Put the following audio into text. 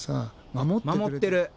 守ってる！